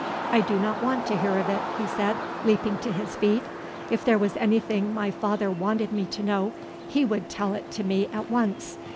"I do not want to hear of it," he said, leaping to his feet. "If there was anything my father wanted me to know he would tell it to me at once.